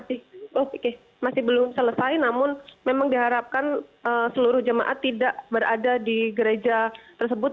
masih belum selesai namun memang diharapkan seluruh jemaat tidak berada di gereja tersebut